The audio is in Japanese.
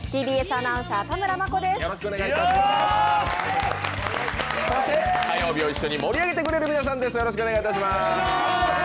そして火曜日を一緒に盛り上げてくれる皆さんです。